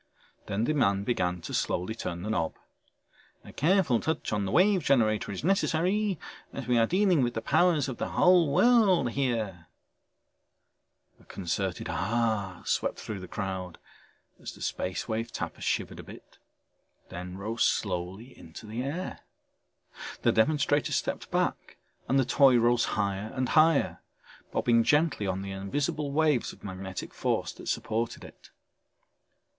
Then the man began to slowly turn the knob. "A careful touch on the Wave Generator is necessary as we are dealing with the powers of the whole world here...." A concerted ahhhh swept through the crowd as the Space Wave Tapper shivered a bit, then rose slowly into the air. The demonstrator stepped back and the toy rose higher and higher, bobbing gently on the invisible waves of magnetic force that supported it.